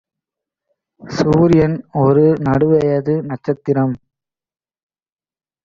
சூரியன் ஒரு நடுவயது நட்சத்திரம்